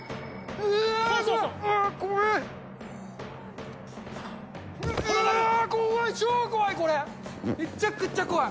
うわー怖い！